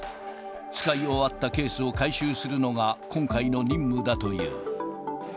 使い終わったケースを回収するのが今回の任務だという。